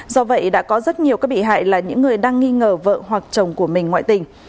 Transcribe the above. do vậy đã có rất nhiều các bị hại là những người đang nghi ngờ vợ hoặc chồng của mình ngoại tình